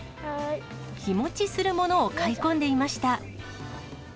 日持ちするものを買い込んでいました。